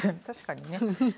確かにね。